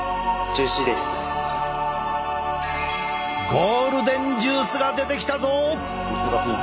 ゴールデンジュースが出てきたぞ！